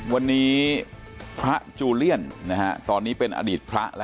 วันนี้พระจูลเลี่ยนนะฮะตอนนี้เป็นอดีตพระแหละ